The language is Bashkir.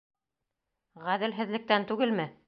Ғәҙелһеҙлектән түгелме?